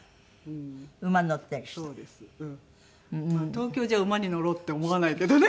東京じゃ馬に乗ろうって思わないけどね。